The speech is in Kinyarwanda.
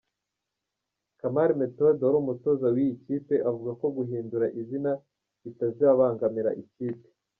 Kamari Methode wari umutoza w’iyi kipe avuga ko guhindura izina bitazabangamira ikipe.